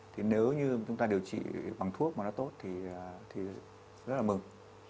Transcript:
thì nếu như chúng ta điều trị bằng thuốc mà nó tốt thì rất là mừng